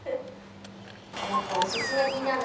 やっぱお薦め気になるなあ。